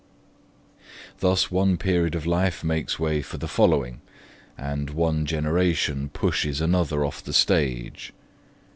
Thus one period of life makes way for the following, and one generation pushes another off the stage.